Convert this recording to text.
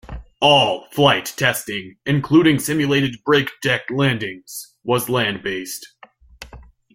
All flight testing-including simulated braked deck landings-was land-based.